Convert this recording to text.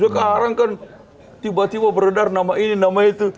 sekarang kan tiba tiba beredar nama ini nama itu